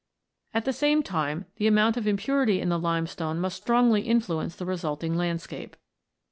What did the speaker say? At the same time, the amount of impurity in the limestone must strongly influence the resulting landscape.